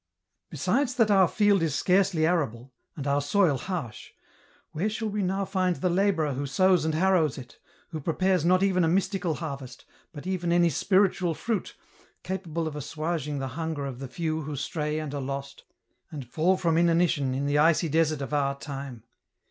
" Besides that our field is scarcely arable, and our soil harsh, where shall we now find the labourer who sows and harrows it, who prepares not even a mystical harvest, but even any spiritual fruit, capable of assuaging the hunger of the few who stray and are lost, and fall from inanition in the icy desert of our time